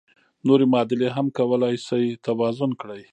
نورې معادلې هم کولای شئ توازن کړئ.